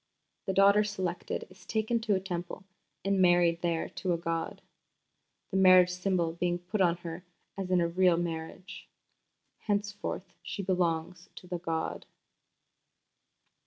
The daughter selected is taken to a Temple and married there to a god, the marriage symbol being put on her as in a real marriage. Henceforth she belongs to the god.